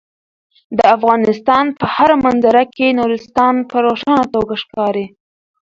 د افغانستان په هره منظره کې نورستان په روښانه توګه ښکاري.